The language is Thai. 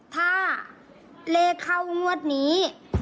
ถ้าเลขเข้างวดนี้